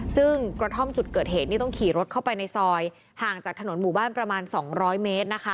ซึ่งกระท่อมจุดเกิดเหตุนี่ต้องขี่รถเข้าไปในซอยห่างจากถนนหมู่บ้านประมาณ๒๐๐เมตรนะคะ